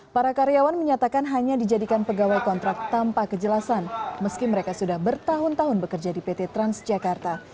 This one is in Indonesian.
para karyawan menyatakan hanya dijadikan pegawai kontrak tanpa kejelasan meski mereka sudah bertahun tahun bekerja di pt transjakarta